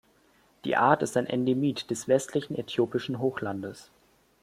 Die Art ist ein Endemit des westlichen Äthiopischen Hochlandes.